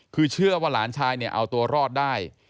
คือเชื่อว่าหลานชายเนี่ยเอาตัวรอดได้